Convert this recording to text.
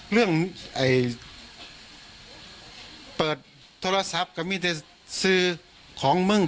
เรื่องเปิดโทรศัพท์ก็มีแต่ซื้อของมึง